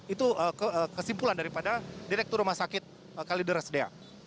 itu kesimpulan daripada direktur rumah sakit kalideres dea